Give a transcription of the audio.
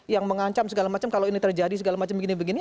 yang mengancam segala macam kalau ini terjadi segala macam begini begini